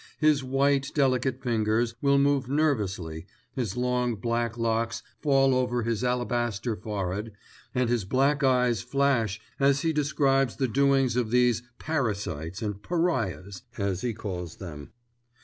His white, delicate fingers will move nervously, his long black locks fall over his alabaster forehead, and his black eyes flash as he describes the doings of these "parasites" and "pariahs," as he calls them.